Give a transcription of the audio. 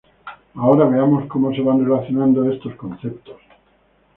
Ahora veamos cómo se van relacionando estos conceptos.